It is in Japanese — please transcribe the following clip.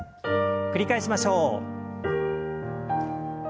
繰り返しましょう。